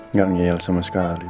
nggak ngiel sama sekali